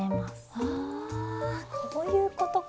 はあこういうことか！